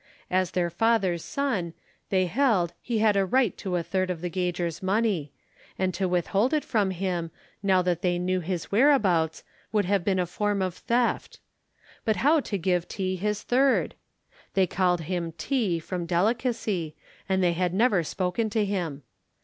As their father's son, they held, he had a right to a third of the gauger's money, and to withhold it from him, now that they knew his whereabouts, would have been a form of theft. But how to give T. his third? They called him T. from delicacy, and they had never spoken to him.